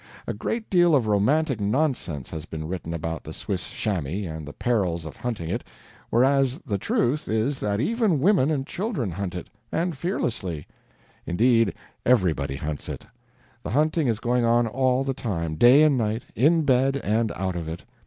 A great deal of romantic nonsense has been written about the Swiss chamois and the perils of hunting it, whereas the truth is that even women and children hunt it, and fearlessly; indeed, everybody hunts it; the hunting is going on all the time, day and night, in bed and out of it.